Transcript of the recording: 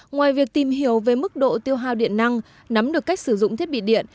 ngoài việc tìm hiểu về mức độ tiêu hào điện năng nắm được cách sử dụng thiết bị điện